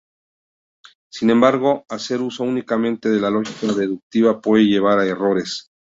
Sin embargo hacer uso únicamente de la lógica deductiva puede llevar a errores.